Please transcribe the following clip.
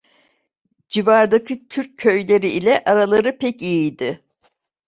Civardaki Türk köyleri ile araları pek iyiydi.